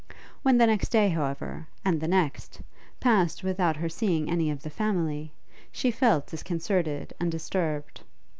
When the next day, however, and the next, passed without her seeing any of the family, she felt disconcerted and disturbed.